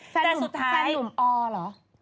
สุดท้ายแฟนหนุ่มอเหรอ